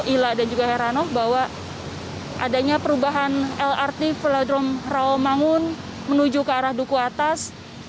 ila dan juga herano bahwa adanya perubahan lrt velodrome rawamangun menuju ke arah duku atas